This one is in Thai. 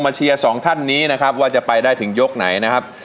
เชียร์สองท่านนี้นะครับว่าจะไปได้ถึงยกไหนนะครับ